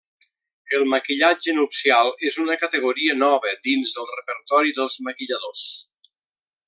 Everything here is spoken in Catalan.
El maquillatge nupcial és una categoria nova dins el repertori dels maquilladors.